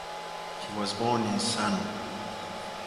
He was born in Sarno.